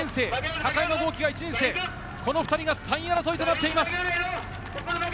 高山豪起は１年生、この２人が３位争いとなっています。